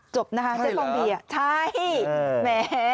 จบนะคะเจ๊ฟองเบียใช่หรือ